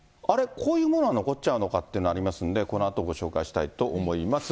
こういうものが残っちゃうのかというのがありますんで、このあとご紹介したいと思います。